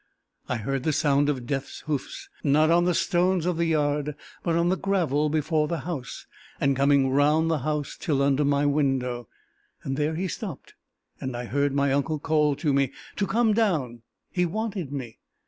I heard the sound of Death's hoofs, not on the stones of the yard, but on the gravel before the house, and coming round the house till under my window. There he stopped, and I heard my uncle call to me to come down: he wanted me.